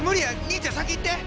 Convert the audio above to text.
兄ちゃん先行って。